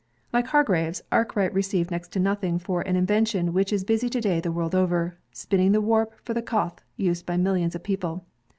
Like Hargreaves, Arkwright received next to nothing for an invention which is busy to day the world over, spinning the warp for the cloth used by millions of people.